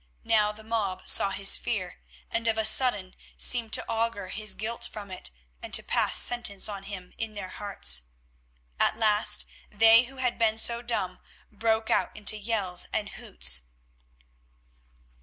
Now the mob saw his fear, and of a sudden seemed to augur his guilt from it, and to pass sentence on him in their hearts. At least, they who had been so dumb broke out into yells and hoots.